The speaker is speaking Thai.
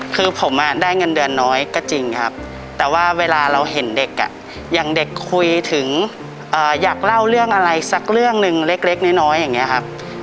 คือผมได้เงินเดือนน้อยก็จริงครับแต่ว่าเวลาเราเห็นเด็กอย่างเด็กคุยถึงอยากเล่าเรื่องอะไรสักเรื่องหนึ่งเล็กน้อยอย่างนี้ครับ